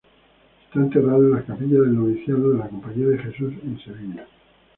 Está enterrado en la capilla del Noviciado de la Compañía de Jesús en Sevilla.